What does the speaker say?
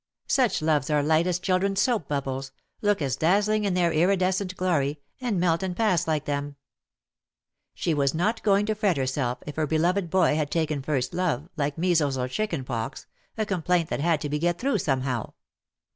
Such loves are light as children's soap bubbles, look as dazzling in their iridescent glory, and melt and pass like them. She was not going to fret her self if her beloved boy had taken first love," like measles or chicken pox, a complaint that had to be got through somehow.